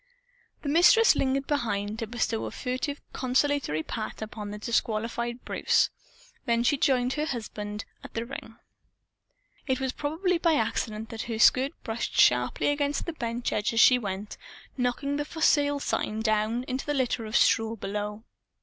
The Mistress lingered behind, to bestow a furtive consolatory pat upon the disqualified Bruce. Then she joined her husband beside the ring. It was probably by accident that her skirt brushed sharply against the bench edge as she went knocking the "For Sale" sign down into the litter of straw below.